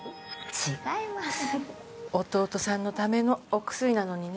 違います弟さんのためのお薬なのにね